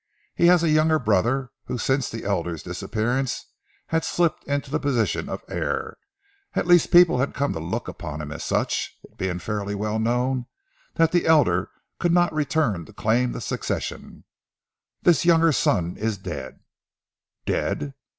He had a younger brother who since the elder's disappearance had slipped into the position of heir at least people had come to look upon him as such, it being fairly well known that the elder could not return to claim the succession. This younger son is dead " "Dead!"